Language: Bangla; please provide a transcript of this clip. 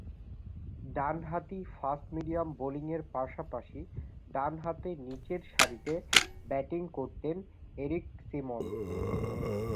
ডানহাতি ফাস্ট-মিডিয়াম বোলিংয়ের পাশাপাশি ডানহাতে নিচেরসারিতে ব্যাটিং করতেন এরিক সিমন্স।